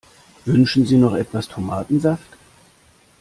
Wünschen Sie noch etwas Tomatensaft?